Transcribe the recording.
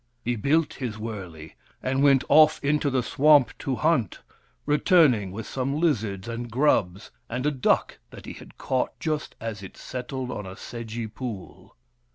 He built his wurley and went off into the swamp to hunt, returning with some lizards and grubs, and a duck that he had caught just as it settled on a sedgy pool.